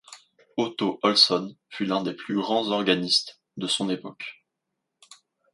Otto Olsson fut l'un des plus grands organistes de son époque.